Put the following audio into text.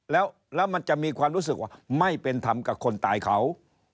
แล้วมันจะมีความรู้สึกว่าไม่เป็นธรรมกับคนตายเขา